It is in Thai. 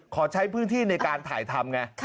ขอใช้พื้นที่ในการถ่ายทำไง